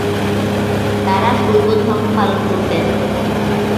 তাঁরা শৈবধর্ম পালন করতেন।